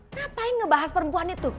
ngapain ngebahas perempuan itu